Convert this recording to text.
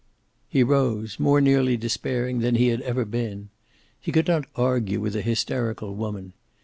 He rose, more nearly despairing than he had ever been. He could not argue with a hysterical woman.